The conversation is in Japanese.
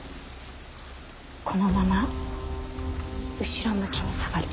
このまま後ろ向きに下がる。